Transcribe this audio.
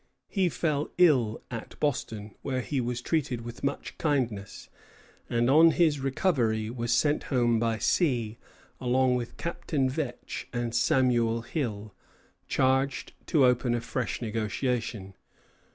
He fell ill at Boston, where he was treated with much kindness, and on his recovery was sent home by sea, along with Captain Vetch and Samuel Hill, charged to open a fresh negotiation.